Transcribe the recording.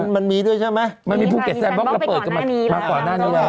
มันมีด้วยใช่ไหมมันมีภูเก็ตแซนบ็อกไปก่อนหน้านี้